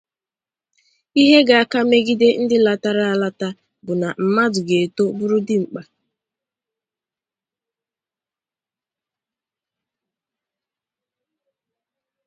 Ihe ga-aka megide ndị latara alata bụ na mmadụ ga-eto bụrụ dimkpa